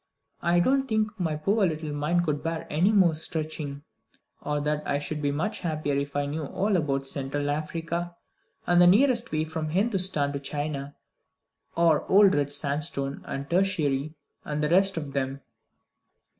I don't think my poor little mind would bear any more stretching, or that I should be much happier if I knew all about Central Africa, and the nearest way from Hindostan to China, or old red sandstone, and tertiary, and the rest of them.